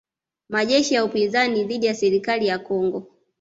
Majeshi ya upinzani dhidi ya serikali ya Kongo